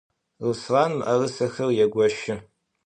Руслъан мыӏэрысэхэр егощы.